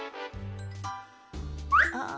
ああ。